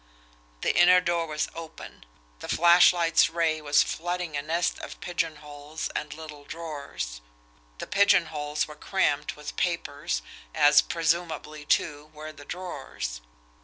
The inner door was open the flashlight's ray was flooding a nest of pigeonholes and little drawers. The pigeonholes were crammed with papers, as, presumably, too, were the drawers.